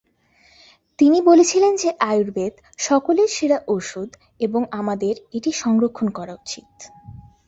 তিনি বলেছিলেন যে আয়ুর্বেদ সকলের সেরা ওষুধ এবং আমাদের এটি সংরক্ষণ করা উচিত।